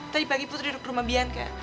tadi pagi putri duduk rumah bianca